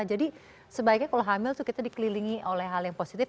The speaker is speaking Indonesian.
jadi sebaiknya kalau hamil tuh kita dikelilingi oleh hal yang positif